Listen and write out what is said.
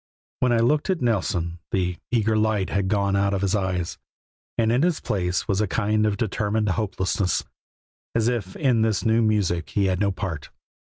When I looked at Nelson the eager light had gone out of his eyes, and in its place was a kind of determined hopelessness, as if in this new music he had no part.